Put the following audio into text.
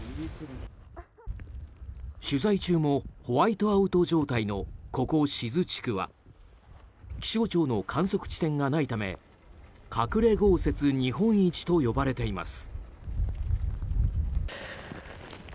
取材中もホワイトアウト状態のここ志津地区は気象庁の観測地点がないため隠れ豪雪日本一と呼ばれています。